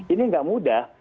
ini tidak mudah